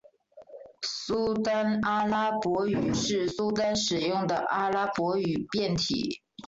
苏丹阿拉伯语是苏丹使用的阿拉伯语变体。